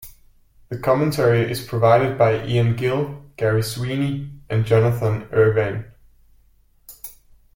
The commentary is provided by Ian Gill, Garry Sweeney and Jonathan Ervine.